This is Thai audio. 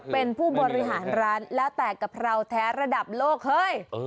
เป็นผู้บริหารร้านแล้วแต่กะเพราแท้ระดับโลกเฮ้ย